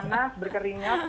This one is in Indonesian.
karena panas berkeringat